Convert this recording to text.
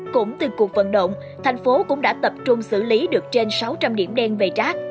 cũng từ cuộc vận động thành phố cũng đã tập trung xử lý được trên sáu trăm linh điểm đen về rác